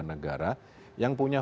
negara yang punya